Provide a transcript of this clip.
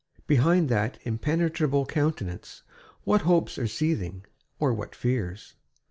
Behind that impenetrable countenance what hopes are seething or what fears?"